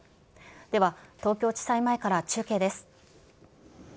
では、東京地裁前から中継です。